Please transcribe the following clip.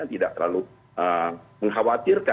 tidak terlalu mengkhawatir